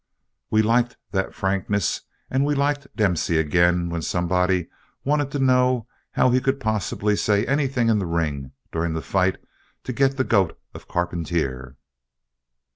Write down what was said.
We liked that frankness and we liked Dempsey again when somebody wanted to know how he could possibly say anything in the ring during the fight to "get the goat of Carpentier."